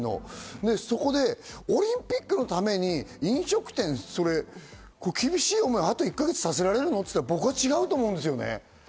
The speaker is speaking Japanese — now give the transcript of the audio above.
そこでオリンピックのために飲食店後１か月厳しい思いをさせられるのって言ったら、僕は違うと思うんですよ。